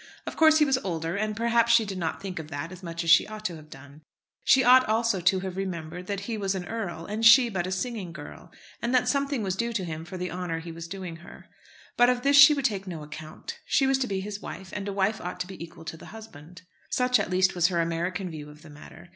Of course he was older, and perhaps she did not think of that as much as she ought to have done. She ought also to have remembered that he was an earl, and she but a singing girl, and that something was due to him for the honour he was doing her. But of this she would take no account. She was to be his wife, and a wife ought to be equal to the husband. Such at least was her American view of the matter.